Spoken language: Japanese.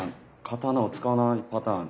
刀を使わないパターン。